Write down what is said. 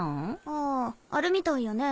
あああるみたいやね